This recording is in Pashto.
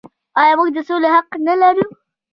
آیا موږ د سولې حق نلرو؟